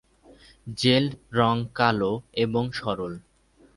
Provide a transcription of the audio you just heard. লেজ রং কালো এবং সরল।